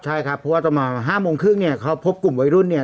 ใช่ครับเพราะว่าตอนประมาณ๕โมงครึ่งเนี่ยเขาพบกลุ่มวัยรุ่นเนี่ย